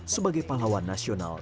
sebagai pahlawan nasional